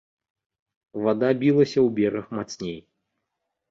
Вада білася ў бераг мацней.